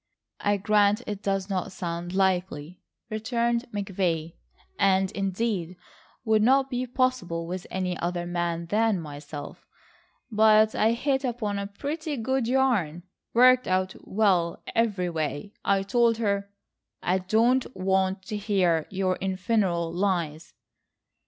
"I grant it does not sound likely," returned McVay, "and indeed would not be possible with any other man than myself. But I hit upon a pretty good yarn,—worked out well everyway. I told her—" "I don't want to hear your infernal lies."